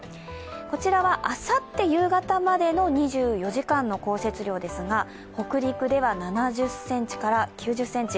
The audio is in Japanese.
こちらはあさって夕方までの２４時間の降雪量ですが、北陸では７０ｃｍから９０ｃｍ